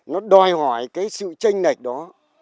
nó đòi hỏi cái sự tranh nạch đó